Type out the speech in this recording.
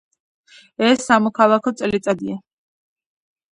ეს სამოქალაქო წელიწადია.